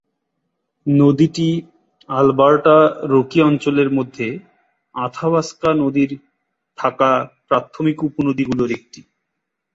নদীটি Alberta Rocky অঞ্চলের মধ্যে আথাবাস্কা নদীর থাকা প্রাথমিক উপনদী গুলির একটি।